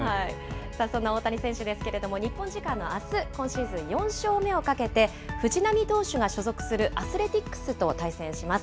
そんな大谷選手ですけれども、日本時間のあす、今シーズン４勝目をかけて、藤浪投手が所属するアスレティックスと対戦します。